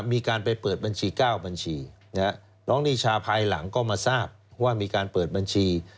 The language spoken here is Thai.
มีการไปเปิดบัญชี๙บัญชีน้องนิชาภายหลังก็มาทราบว่ามีการเปิดบัญชี